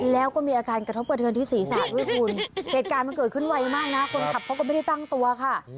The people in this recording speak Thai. แล้วก็มีอาการกระทบกระเทือนที่ศีรษะด้วยคุณเหตุการณ์มันเกิดขึ้นไวมากนะคนขับเขาก็ไม่ได้ตั้งตัวค่ะ